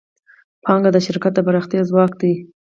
پانګه د شرکت د پراختیا ځواک دی.